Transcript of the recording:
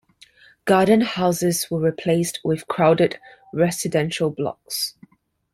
Garden houses were replaced with crowded residential blocks.